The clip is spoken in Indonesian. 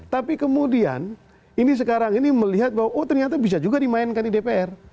tapi kemudian ini sekarang ini melihat bahwa oh ternyata bisa juga dimainkan di dpr